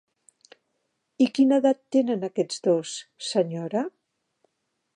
I quina edat tenen aquests dos, senyora?